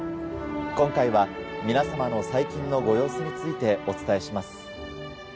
今回は皆さまの最近のご様子についてお伝えします。